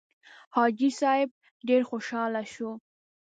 حاجي صیب ډېر خوشاله شو.